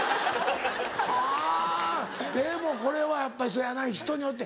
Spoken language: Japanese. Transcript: はぁでもこれはやっぱりそやな人によって。